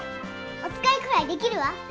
おつかいくらいできるわ。